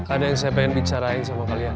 ada yang saya pengen bicarain sama kalian